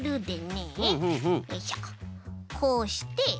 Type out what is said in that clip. こうして。